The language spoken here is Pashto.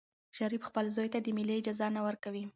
شریف خپل زوی ته د مېلې اجازه نه ورکوي.